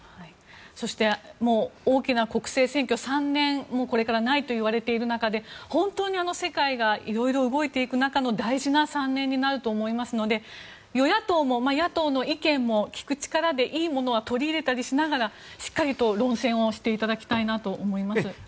そして、大きな国政選挙は３年ないといわれている中で世界がいろいろと動いていく中の大事な３年になると思いますので与野党も、野党の意見も聞く力でいいものは取り入れたりしながらしっかりと論戦をしていただきたいなと思います。